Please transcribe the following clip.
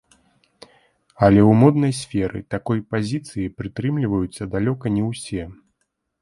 Але ў моднай сферы такой пазіцыі прытрымліваюцца далёка не ўсе.